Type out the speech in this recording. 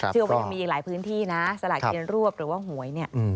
เชื่อว่ามันยังมีอีกหลายพื้นที่นะสละเทียนรวบหรือว่าหวย